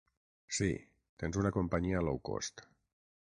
Sí, tens una companyia lowcost.